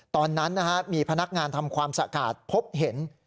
ตอนนั้นมีพนักงานทำความสะอาดพบเห็น